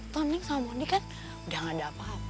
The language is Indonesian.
tau neng sama mandi kan udah gak ada apa apa